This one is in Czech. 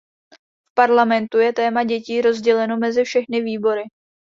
V Parlamentu je téma dětí rozděleno mezi všechny výbory.